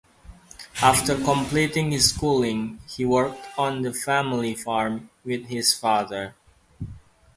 After completing his schooling, he worked on the family farm with his father.